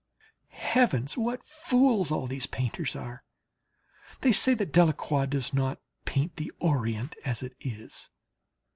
Heavens! what fools all these painters are! They say that Delacroix does not paint the Orient as it is.